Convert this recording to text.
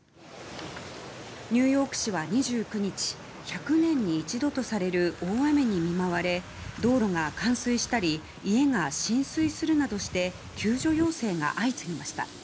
ニューヨーク市は２９日１００年に一度とされる大雨に見舞われ道路が冠水したり家が浸水するなどして救助要請が相次ぎました。